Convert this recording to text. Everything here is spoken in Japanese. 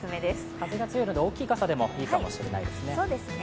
風が強いので大きい傘でもいいかもしれないですね。